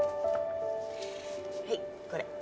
はいこれ。